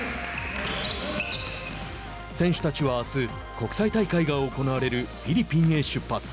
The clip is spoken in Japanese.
選手たちは、あす国際大会が行われるフィリピンへ出発。